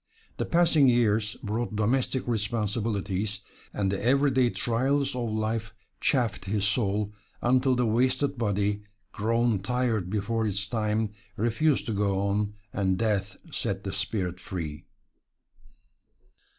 The passing years brought domestic responsibilities, and the every day trials of life chafed his soul, until the wasted body, grown tired before its time, refused to go on, and death set the spirit free.